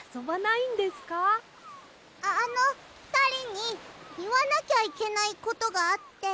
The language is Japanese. あのふたりにいわなきゃいけないことがあって。